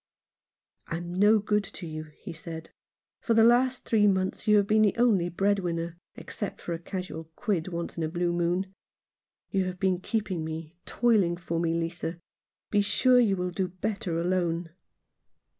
" I am no good to you," he said ;" for the last three months you have been the only breadwinner — except for a casual quid once in a blue moon. You have been keeping me, toiling for me, Lisa. Be sure you will do better alone."